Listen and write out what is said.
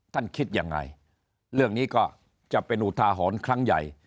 คิดยังไงเรื่องนี้ก็จะเป็นอุทาหรณ์ครั้งใหญ่